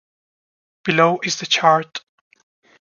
Below is his chart.